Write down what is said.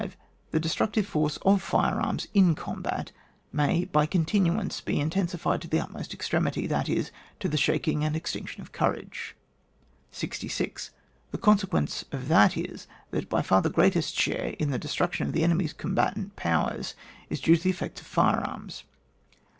The destructive force of fire arms in combat may by continuance be intensified to the utmost extremity, that is, to the shaking and extinction of courage. 66. The consequence of that is, that by far the greatest share in the des truction of the enemy*s combatant powers is due to the effect of fire arms.